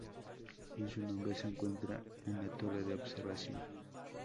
En su cumbre se encuentra una torre de observación.